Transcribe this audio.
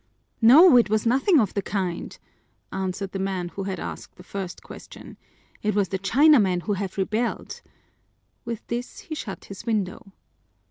"No, it was nothing of the kind," answered the man who had asked the first question. "It was the Chinamen who have rebelled." With this he shut his window.